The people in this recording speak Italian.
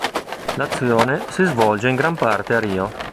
L'azione si svolge in gran parte a Rio.